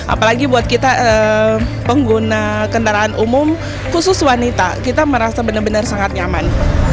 apalagi buat kita pengguna kendaraan umum khusus wanita kita merasa benar benar sangat nyaman